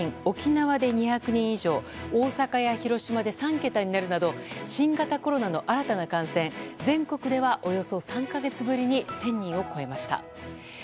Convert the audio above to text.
沖縄で２００人以上大阪や広島で３桁になるなど新型コロナの新たな感染全国ではおよそ３か月ぶりに１０００人を超えました。